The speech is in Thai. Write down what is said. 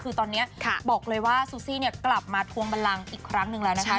คือตอนนี้บอกเลยว่าซูซี่เนี่ยกลับมาทวงบันลังอีกครั้งหนึ่งแล้วนะคะ